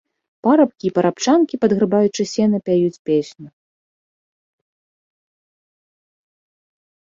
Парабкі і парабчанкі, падграбаючы сена, пяюць песню.